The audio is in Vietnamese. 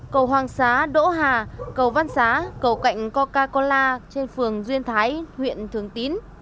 cầu hoàng xá đỗ hà cầu văn xá cầu cạnh coca cola trên phường duyên thái huyện thường tín